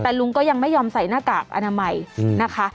แต่ลุงก็ยังไม่ยอมใส่หน้ากากอนามัยนะคะ